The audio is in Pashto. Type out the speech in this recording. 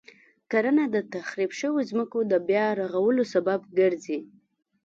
کرنه د تخریب شويو ځمکو د بیا رغولو سبب ګرځي.